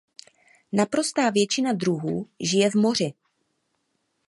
Naprostá většina druhů žije v moři.